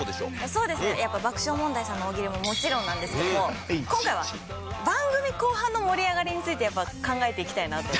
そうですねやっぱ爆笑問題さんの大喜利ももちろんなんですけども今回は番組後半の盛り上がりについてやっぱ考えていきたいなと。